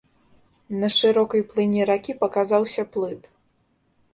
На шырокай плыні ракі паказаўся плыт.